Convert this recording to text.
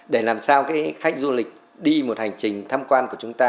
để làm sao các khách du lịch đi một hành trình thăm quan của chúng ta